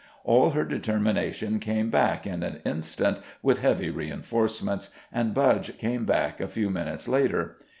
All her determination came back in an instant with heavy reinforcements, and Budge came back a few minutes later.